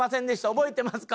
覚えてますか？」